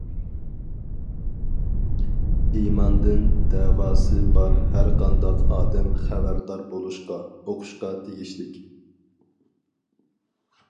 ئىماندىن دەۋاسى بار ھەرقانداق ئادەم خەۋەردار بولۇشقا، ئوقۇشقا تېگىشلىك.